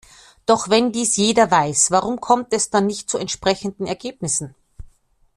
Doch wenn dies jeder weiß, warum kommt es dann nicht zu entsprechenden Ergebnissen?